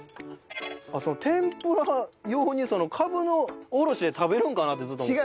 その天ぷら用にそのカブのおろしで食べるんかなってずっと思ってた。